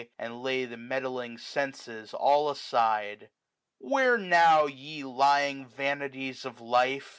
And lay the meddling senses all aside. Where now, ye lying vanities of life!